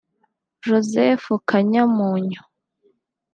Joseph Kanyamunyu